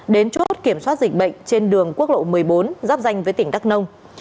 đến chốt kiểm soát dịch bệnh trên đường quốc lộ một mươi bốn giáp danh với tỉnh đắk nông